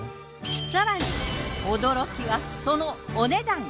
更に驚きはそのお値段！